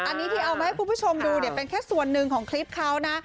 อันนี้ที่เอามาให้คุณผู้ชมดูเนี่ยเป็นแค่ส่วนหนึ่งของคลิปเขานะ